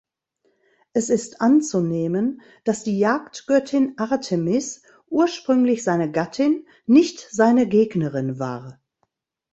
Es ist anzunehmen, dass die Jagdgöttin Artemis ursprünglich seine Gattin, nicht seine Gegnerin war.